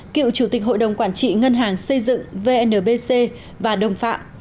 cựu chủ tịch hội đồng quản trị ngân hàng xây dựng vnpc và đồng phạm